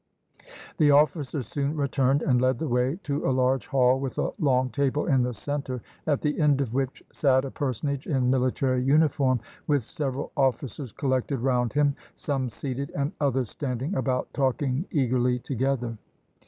The officer soon returned and led the way to a large hall, with a long table in the centre, at the end of which sat a personage in military uniform, with several officers collected round him, some seated, and others standing about talking eagerly together.